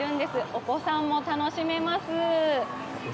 お子さんも楽しめます。